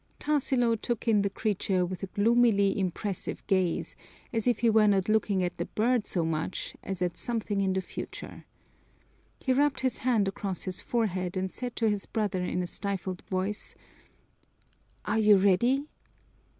Tarsilo took in the creature with a gloomily impressive gaze, as if he were not looking at the bird so much as at something in the future. He rubbed his hand across his forehead and said to his brother in a stifled voice, "Are you ready?"